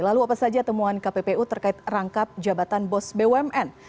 lalu apa saja temuan kppu terkait rangkap jabatan bos bumn